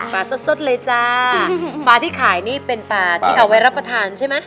สดสดเลยจ้าปลาที่ขายนี่เป็นปลาที่เอาไว้รับประทานใช่ไหม